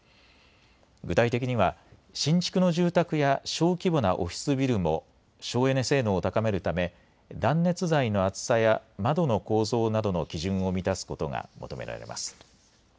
具体的には新築の住宅や小規模なオフィスビルも省エネ性能を高めるため断熱材の厚さや窓の構造などの基準を満たすことが求められます。